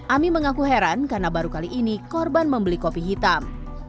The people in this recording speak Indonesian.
ami mengaku heran karena baru kali ini korban membeli kopi hitam